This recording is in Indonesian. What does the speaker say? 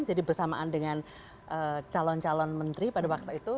jadi bersamaan dengan calon calon menteri pada waktu itu